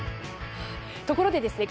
ところでですね